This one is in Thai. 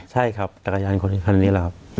ใช่ครับจักรยานที่ขนาดนี้ครับ